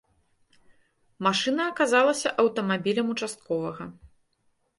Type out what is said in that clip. Машына аказалася аўтамабілем участковага.